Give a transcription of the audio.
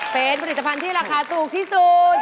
เป็นผลิตภัณฑ์ที่ราคาถูกที่สุด